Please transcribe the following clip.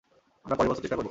আমরা পরের বছর চেষ্টা করবো।